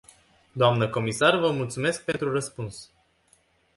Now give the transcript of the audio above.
Doamnă comisar, vă mulțumesc pentru răspuns.